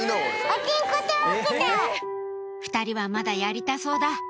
「２人はまだやりたそうだ」